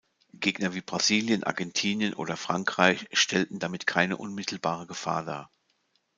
Gegner wie Brasilien, Argentinien oder Frankreich stellten damit keine unmittelbare Gefahr dar.